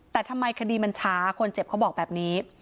แต่ทำไมคดีมันช้าคนเจ็บเขาบอกแบบนี้